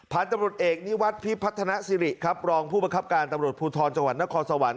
ตำรวจเอกนิวัตรพิพัฒนาสิริครับรองผู้ประคับการตำรวจภูทรจังหวัดนครสวรรค